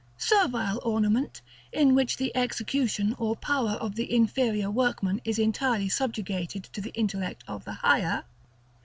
Servile ornament, in which the execution or power of the inferior workman is entirely subjected to the intellect of the higher: 2.